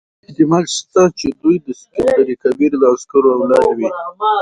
احتمال شته چې دوی د سکندر کبیر د عسکرو اولاد وي.